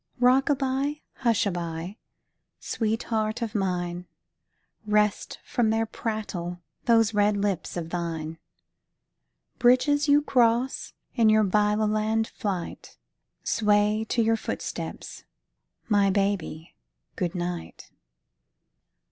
Rock a by, hush a by, sweetheart of mine, Rest from their prattle those red lips of thine. Bridges you cross in your Byloland flight Sway to your footsteps, my baby, good night.